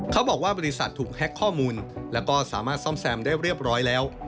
บริษัทถูกแฮ็กข้อมูลแล้วก็สามารถซ่อมแซมได้เรียบร้อยแล้ว